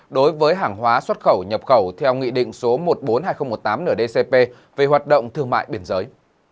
đối với hàng hóa xuất khẩu nhập khẩu theo nghị định số một trăm bốn mươi hai nghìn một mươi tám ndcp về hoạt động thương mại biên giới